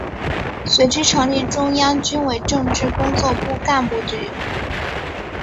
随之成立中央军委政治工作部干部局。